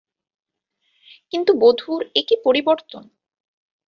কিন্তু বধূর এ কী পরিবর্তন।